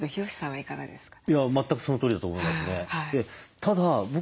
全くそのとおりだと思いますね。